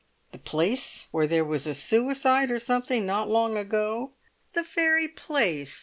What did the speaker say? "The place where there was a suicide or something not long ago?" "The very place!"